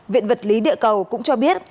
viện vật lý địa cầu cũng cho biết